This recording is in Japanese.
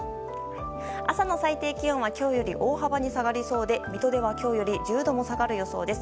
朝の最低気温は今日より大幅に下がりそうで水戸では今日より１０度も下がる予想です。